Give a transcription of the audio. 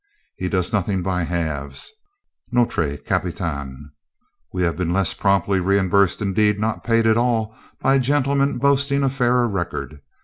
He does nothing by halves, "notre capitaine". We have been less promptly reimbursed, indeed, not paid at all, by gentlemen boasting a fairer record.